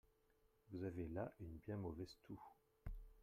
Vous avez là une bien mauvaise toux.